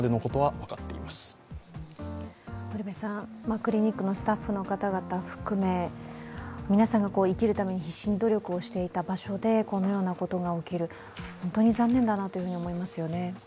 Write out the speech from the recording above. クリニックのスタッフの方々含め、皆さんが生きるために必死に努力をしていた場所でこのようなことが起きる、本当に残念だなと思いますよね。